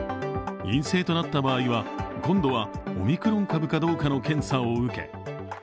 陰性となった場合は今度はオミクロン株かどうかの検査を受け